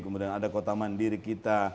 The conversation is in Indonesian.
kemudian ada kota mandiri kita